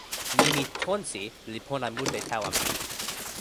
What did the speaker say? nimi "tonsi" li pona mute tawa mi.